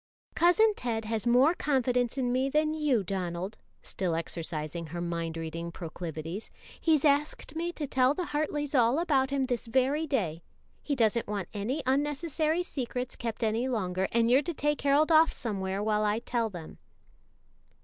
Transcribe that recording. "Cousin Ted has more confidence in me than you, Donald," still exercising her mind reading proclivities. "He's asked me to tell the Hartleys all about him this very day. He doesn't want any unnecessary secrets kept any longer, and you're to take Harold off somewhere while I tell them."